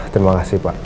terima kasih pak